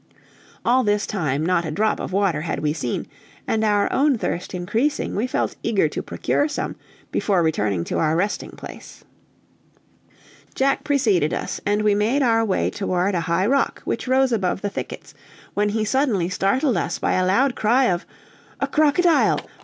All this time not a drop of water had we seen, and our own thirst increasing, we felt eager to procure some before returning to our resting place. Jack preceded us, and we made our way toward a high rock, which rose above the thickets, when he suddenly startled us by a loud cry of "A crocodile!